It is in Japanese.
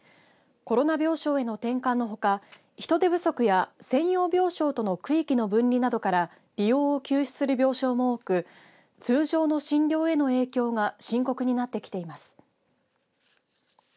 コロナ病床への転換のほか人手不足や専用病床との区域の分離などから利用を休止する病床も多く通常の診療への影響が深刻になってきています。